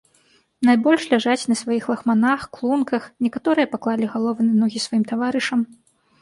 Найбольш ляжаць на сваіх лахманах, клунках, некаторыя паклалі галовы на ногі сваім таварышам.